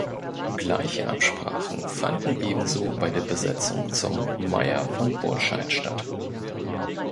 Gleiche Absprachen fanden ebenso bei der Besetzung zum Meier von Burtscheid statt.